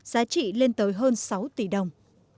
giá trị lên tới hơn sáu tỷ đồng